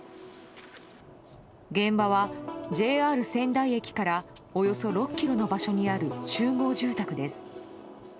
現場は、ＪＲ仙台駅からおよそ６ｋｍの場所にある集合住宅です。